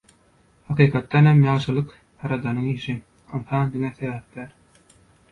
Hakykatdanam ýagşylyk Ýaradanyň işi, ynsan diňe sebäpkär.